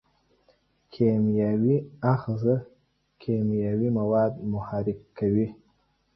کیمیاوي آخذه کیمیاوي مواد محرک کوي.